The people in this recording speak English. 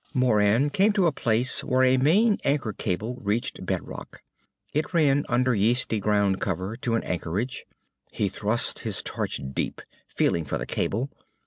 Moran came to a place where a main anchor cable reached bed rock. It ran under yeasty ground cover to an anchorage. He thrust his torch deep, feeling for the cable.